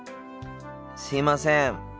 すいません。